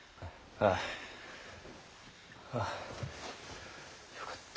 あぁよかった。